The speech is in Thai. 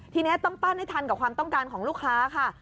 ทีนี้ต้องปั้นให้ทันกับความต้องการของลูกค้าค่ะ